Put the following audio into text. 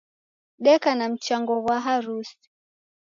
Deka na mchango ghwa harusi